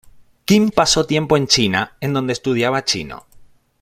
Kim pasó tiempo en China en dónde estudiaba chino.